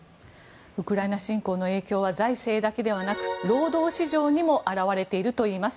ウクライナ侵攻の影響は財政だけではなく労働市場にも表れているといいます。